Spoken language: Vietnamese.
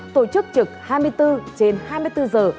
tổ chức trực hai mươi bốn trên hai mươi bốn giờ